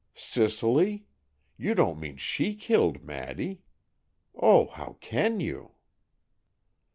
"Cicely! You don't mean she killed Maddy! Oh, how can you?"